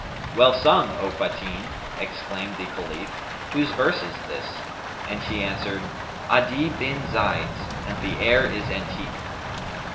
"Well sung, O Fatin!'' exclaimed the Caliph; "whose verse is this?" And she answered, "Adi bin Zayd's, and the air is antique."